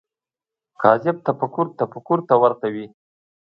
کاذب تفکر تفکر ته ورته وي